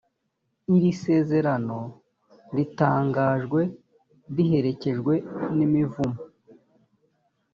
iri sezerano ritangajwe riherekejwe n’imivumo,